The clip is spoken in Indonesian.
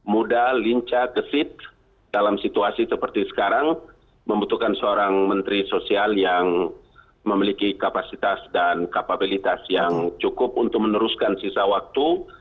muda lincah gesit dalam situasi seperti sekarang membutuhkan seorang menteri sosial yang memiliki kapasitas dan kapabilitas yang cukup untuk meneruskan sisa waktu